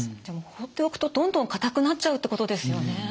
じゃあもう放っておくとどんどんかたくなっちゃうってことですよね？